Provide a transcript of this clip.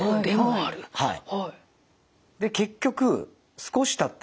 はい。